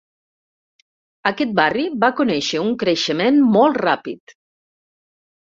Aquest barri va conèixer un creixement molt ràpid.